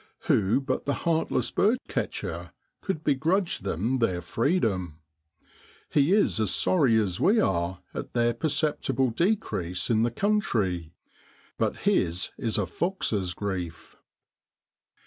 Who but the heartless birdcatcher could begrudge them their freedom? He is as sorry as we are at their perceptible decrease in the country, but his is a fox's grief.